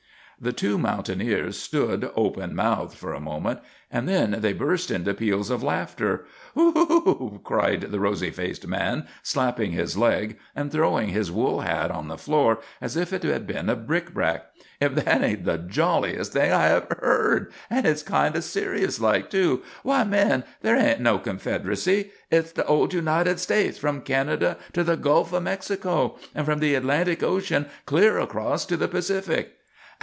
The two mountaineers stood open mouthed for a moment, and then they burst into peals of laughter. "Whoop!" cried the rosy faced man, slapping his leg and throwing his wool hat on the floor as if it had been a brickbat. "If that ain't the jolliest thing I ever heard, and hit's kind o' serious like, too! Why, men, there ain't no Confederacy. Hit's the old United States, from Canada to the Gulf of Mexico, and from the Atlantic Ocean clear across to the Pacific."